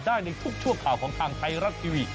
ได้ในทุกชั่วข่าวของทางไทยรัฐทีวี